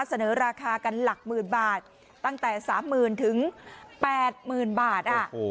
เสนอราคากันหลักหมื่นบาทตั้งแต่สามหมื่นถึงแปดหมื่นบาท